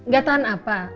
gak tahan apa